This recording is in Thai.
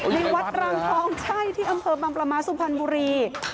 ในวัดรังทองใช่ที่อำเภอบังปลาม้าสุพรรณบุรี